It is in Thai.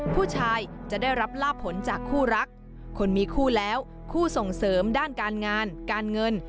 ผู้ชายจะได้รับลาบผลจากคู่รักคนมีคู่แล้วคู่ส่งเสริมด้านการงานการเงิน